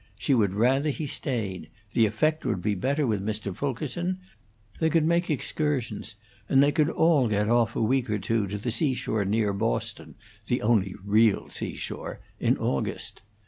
She would rather he stayed; the effect would be better with Mr. Fulkerson; they could make excursions, and they could all get off a week or two to the seashore near Boston the only real seashore in August.